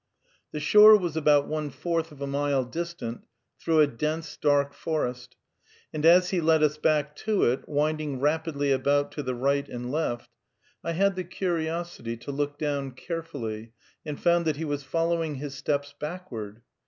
The shore was about one fourth of a mile distant, through a dense, dark forest, and as he led us back to it, winding rapidly about to the right and left, I had the curiosity to look down carefully, and found that he was following his steps backward.